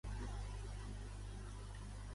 Per quina raó n'ha comunicat una, el PDECat?